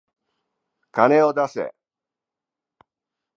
金を出せ。